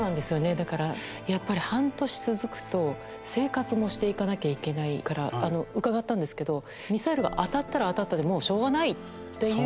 だからやっぱり半年続くと生活もして行かなきゃいけないから伺ったんですけどミサイルが当たったら当たったでもうしょうがないっていう。